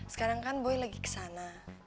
sekarang kan boy lagi kesana